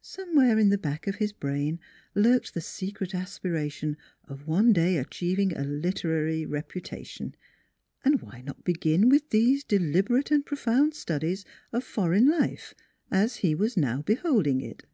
Some where in the back of his brain lurked the secret aspiration of one day achieving a literary reputa tion ; and why not begin with these deliberate and profound studies of foreign life, as he was now beholding it?